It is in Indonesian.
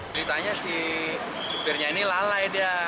jadi tanya si supirnya ini lalai dia